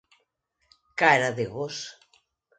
Cara de gos.